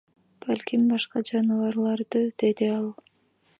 Балким, башка жаныбарларды, — деди ал.